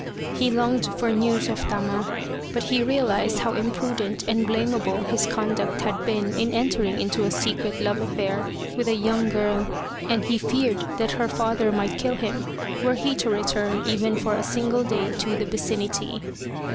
He longed for news of Tama, but he realized how imprudent and blameable his conduct had been in entering into a secret love affair with a young girl, and he feared that her father might kill him were he to return even for a single day to the vicinity.